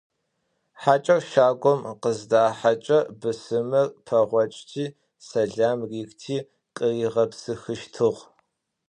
Хьакӏэр щагум къыздахьэкӏэ бысымыр пэгъокӏти, сэлам рихти къыригъэпсыхыщтыгъ.